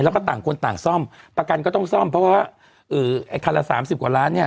แล้วก็ต่างคนต่างซ่อมประกันก็ต้องซ่อมเพราะว่าเอ่อไอ้คันละสามสิบกว่าล้านเนี่ย